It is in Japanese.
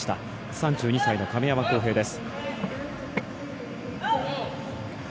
３２歳の亀山耕平です。